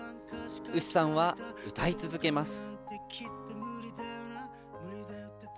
ＵＳＵさんは歌い続けます。